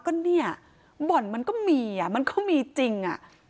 ก็เนี่ยบ่อนมันก็มีมันก็มีจริง